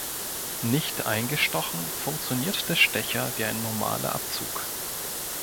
Nicht eingestochen funktioniert der Stecher wie ein normaler Abzug.